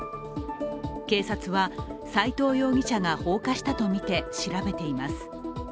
警察は斉藤容疑者が放火したとみて調べています。